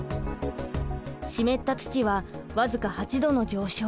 湿った土は僅か８℃の上昇。